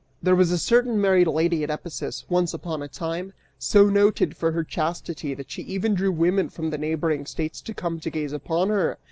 "There was a certain married lady at Ephesus, once upon a time, so noted for her chastity that she even drew women from the neighboring states to come to gaze upon her!